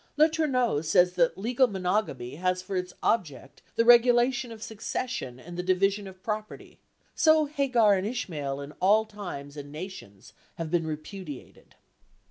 Letourneau says that legal monogamy has for its object the regulation of succession and the division of property; so Hagar and Ishmael in all times and nations have been repudiated.